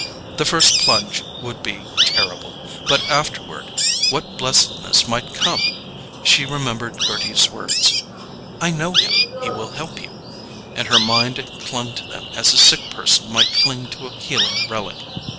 The first plunge would be terrible—but afterward, what blessedness might come! She remembered Gerty's words: "I know him—he will help you"; and her mind clung to them as a sick person might cling to a healing relic.